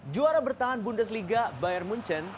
juara bertahan bundesliga bayar munchen